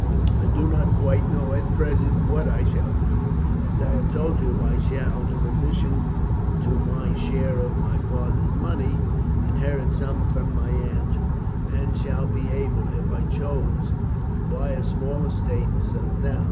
"I do not quite know at present what I shall do. As I have told you, I shall, in addition to my share of my father's money, inherit some from my aunt, and shall be able, if I choose, to buy a small estate and settle down.